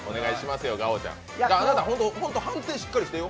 あなた、本当、判定しっかりしてよ。